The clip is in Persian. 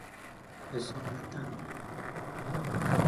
اصالتا ً